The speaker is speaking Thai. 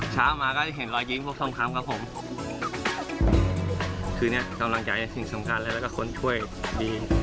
ช้ามาก็ได้เห็นรอยยิงพวกส่องครั้งครับผม